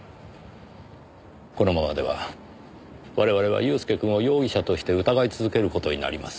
このままでは我々は祐介くんを容疑者として疑い続ける事になります。